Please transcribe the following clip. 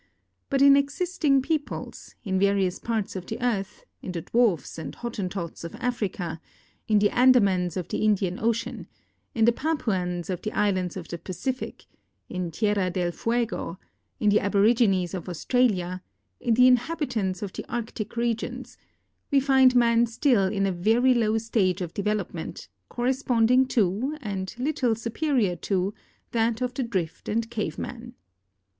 But in existing peoples, in various parts of the earth— in the Dwarfs and Hottentots of Africa; in the Andamans of the Indian ocean ; in the Papuans of the islands of the Pacific; in Tierra del Fuego ; in the aborigines of Aus tralia; in the inhabitants of the Arctic regions— we find n)an still in a very low stage of development, corresponding to, and little superior to, that of the drift and cave men.